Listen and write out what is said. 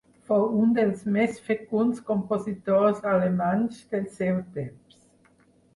Fou un dels més fecunds compositors alemanys del seu temps.